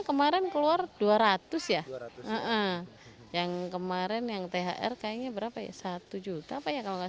kemarin keluar dua ratus ya yang kemarin yang thr kayaknya berapa ya satu juta pak ya kalau nggak